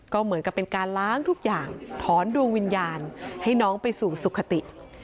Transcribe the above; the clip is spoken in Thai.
ก็เหมือนกับเป็นการล้างทุกอย่างถอนดวงวิญญาณให้น้องไปสู่สุขติ